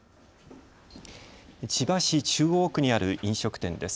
千葉市中央区にある飲食店です。